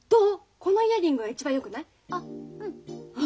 このイヤリングが一番よくない？あうん。